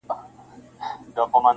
• بهرني نظرونه موضوع زياتوي نور,